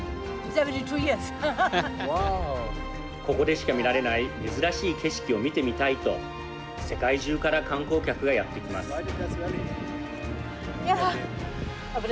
ここでしか見られない珍しい景色を見てみたいと世界中から観光客がやって来ます。